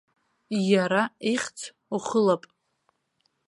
Иара ихьӡ ухылап.